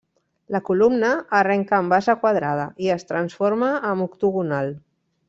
La columna arrenca amb base quadrada i es transforma amb octogonal.